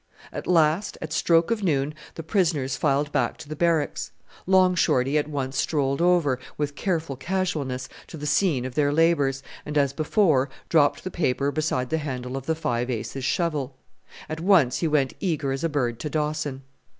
At last, at stroke of noon, the prisoners filed back to the Barracks. Long Shorty at once strolled over, with careful casualness, to the scene of their labours, and, as before, dropped the paper beside the handle of the Five Ace's shovel. At once he went eager as a bird to Dawson.